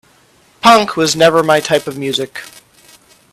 Punk was never my type of music.